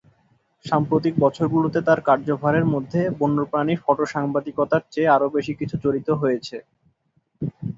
সাম্প্রতিক বছরগুলোতে তার কার্যভারের মধ্যে বন্যপ্রাণীর ফটোসাংবাদিকতার চেয়ে আরও বেশি কিছু জড়িত হয়েছে।